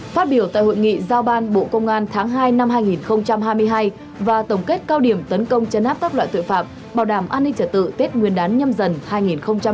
phát biểu tại hội nghị giao ban bộ công an tháng hai năm hai nghìn hai mươi hai và tổng kết cao điểm tấn công chấn áp các loại tội phạm bảo đảm an ninh trả tự tết nguyên đán nhâm dần hai nghìn hai mươi bốn